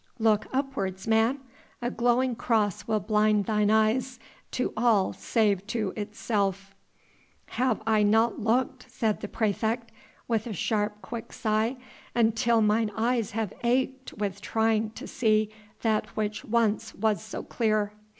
"Look upwards, man; a glowing Cross will blind thine eyes to all save to itself." "Have I not looked," said the praefect, with a sharp, quick sigh, "until mine eyes have ached with trying to see that which once was so clear.